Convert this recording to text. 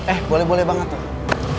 eh boleh boleh banget tuh